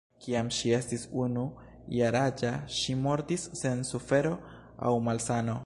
Kiam ŝi estis unu jaraĝa, ŝi mortis sen sufero aŭ malsano.